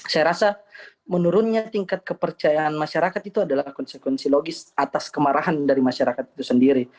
saya rasa menurunnya tingkat kepercayaan masyarakat itu adalah konsekuensi logis atas kemarahan dari masyarakat itu sendiri